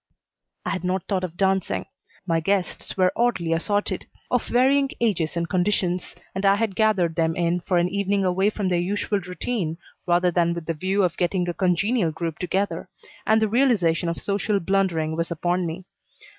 I had not thought of dancing. My guests were oddly assorted, of varying ages and conditions, and I had gathered them in for an evening away from their usual routine rather than with the view of getting a congenial group together, and the realization of social blundering was upon me.